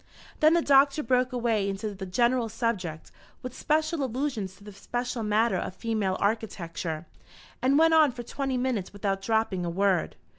Then the Doctor broke away into the general subject, with special allusions to the special matter of female architecture, and went on for twenty minutes without dropping a word.